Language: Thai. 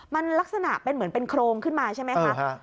มันลักษณะเป็นเหมือนเป็นโครงขึ้นมาใช่ไหมคะ